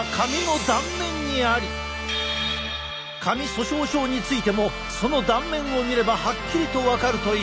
髪粗しょう症についてもその断面を見ればはっきりと分かるという。